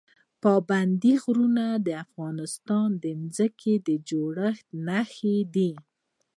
پابندي غرونه د افغانستان د ځمکې د جوړښت نښه ده.